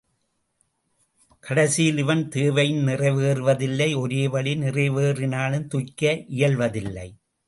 கடைசியில் இவன் தேவையும் நிறைவேறுவதில்லை ஒரோவழி நிறைவேறினாலும் துய்க்க இயல்வதில்லை.